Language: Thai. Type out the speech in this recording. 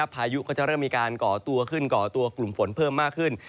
พายุก็จะเริ่มมีการก่อตัวขึ้นก่อตัวกลุ่มฝนเพิ่มมากขึ้น